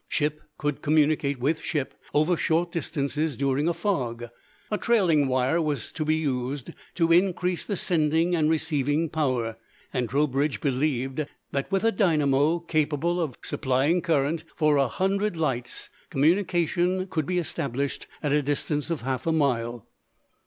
Ship could communicate with ship, over short distances, during a fog. A trailing wire was to be used to increase the sending and receiving power, and Trowbridge believed that with a dynamo capable of supplying current for a hundred lights, communication could be established at a distance of half a mile.